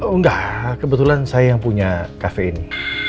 enggak kebetulan saya yang punya kafe ini